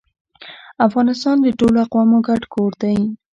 افغانستان د ټولو اقوامو ګډ کور دی